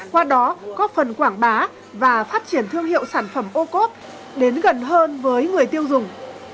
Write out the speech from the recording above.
qua đó có phần quảng bá và phát triển thương hiệu sản phẩm ô cốp đến gần hơn với người tiêu dùng